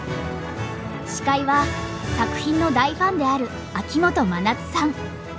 司会は作品の大ファンである秋元真夏さん。